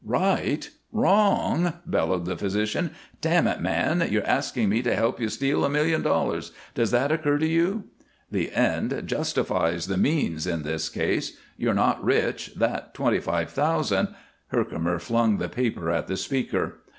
"Right! Wrong!" bellowed the physician. "Damn it, man! You're asking me to help you steal a million dollars. Does that occur to you?" "The end justifies the means in this case. You're not rich. That twenty five thousand " Herkimer flung the paper at the speaker.